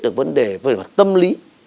được vấn đề về tâm lý